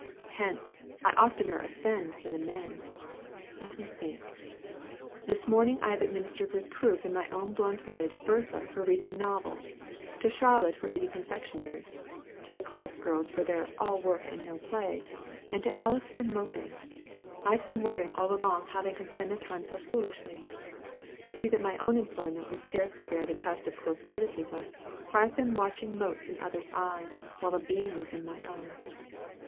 Hence, I oftener offend than amend. Let me think. This morning I have administered reproof in my own blunt way to Bertha for reading novels, to Charlotte for eating confectionary, to the Clark girls for their 'all work and no play,' and to Alice for moping. I have been wondering all along how they can spend their time so foolishly. I see that my own employment would scarcely bear the test of close criticism, for I have been watching motes in others' eyes, while a beam was in my own.